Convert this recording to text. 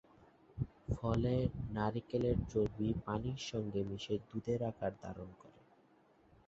ফলে নারকেলের চর্বি পানির সংগে মিশে দুধের আকার ধারণ করে।